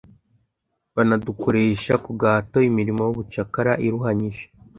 banadukoresha ku gahato imirimo y’ubucakara iruhanyije.